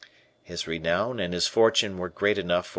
His renown and his fortune were great enough for M.